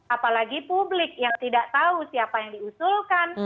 apalagi publik yang tidak tahu siapa yang diusulkan